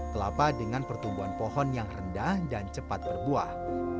kelapa dengan pertumbuhan pohon yang rendah dan cepat berbuah